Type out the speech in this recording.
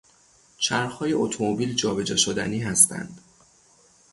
چرخهای اتومبیل جابجا شدنی هستند.